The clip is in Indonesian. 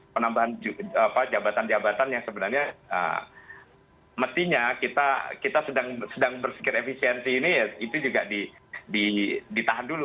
penambahan jabatan jabatan yang sebenarnya mestinya kita sedang berpikir efisiensi ini ya itu juga ditahan dulu